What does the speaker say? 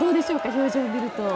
表情を見ると。